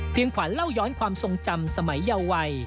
ขวัญเล่าย้อนความทรงจำสมัยเยาวัย